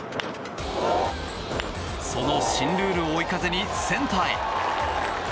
その新ルールを追い風にセンターへ！